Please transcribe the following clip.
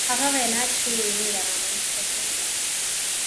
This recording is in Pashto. هغه وینا چې ویره رامنځته کوي.